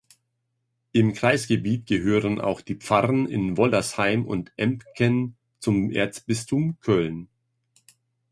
Im Kreisgebiet gehören auch die Pfarren in Wollersheim und Embken zum Erzbistum Köln.